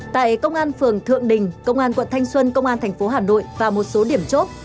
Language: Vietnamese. tại công an phường thượng đình công an quận thanh xuân công an tp hà nội và một số điểm chốt